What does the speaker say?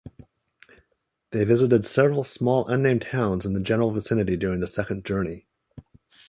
They visited several small unnamed towns in the general vicinity during the second journey.